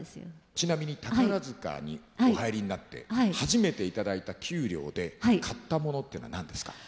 ちなみに宝塚にお入りになって初めて頂いた給料で買ったものっていうのは何ですか？